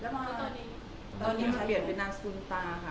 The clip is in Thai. แล้วก็ตอนนี้เขาเปลี่ยนเป็นนางตุ๊นปลาค่ะ